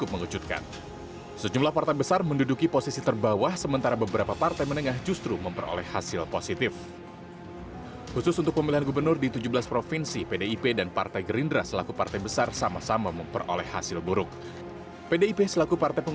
pengusun jokowi berada di posisi bawah dengan kemenangan dua puluh tiga persen